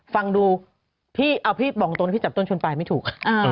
ฟังดูเอาพี่บอกตัวแล้วพี่จับต้นชนไปไม่ถูก